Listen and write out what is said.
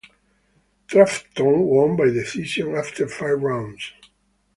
Trafton won by decision after five rounds.